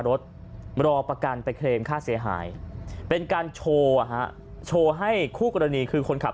รอประกันไปเคลมค่าเสียหายเป็นการโชว์โชว์ให้คู่กรณีคือคนขับ